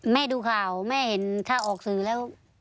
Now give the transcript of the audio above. ดูข่าวแม่เห็นถ้าออกสื่อแล้ว